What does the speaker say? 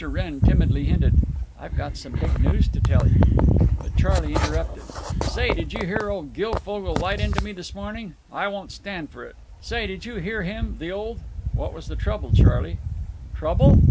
Wrenn timidly hinted, "I've got some big news to tell you." But Charley interrupted, "Say, did you hear old Goglefogle light into me this morning? I won't stand for it. Say, did you hear him—the old—" "What was the trouble, Charley?" "Trouble?